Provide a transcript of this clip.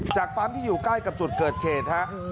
จากปั๊มที่อยู่ใกล้กับจุดเกิดเขต